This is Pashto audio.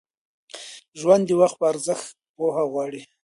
ژوند د وخت په ارزښت پوهه غواړي.